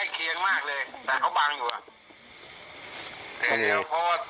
คือเวลาเค้าหายคือ๖มื้อเย็น